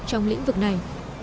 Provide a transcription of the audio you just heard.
trong lĩnh vực này